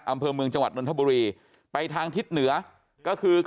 อำเภอเมืองจังหวัดนทบุรีไปทางทิศเหนือก็คือ